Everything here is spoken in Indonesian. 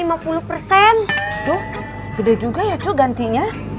aduh gede juga ya coba gantinya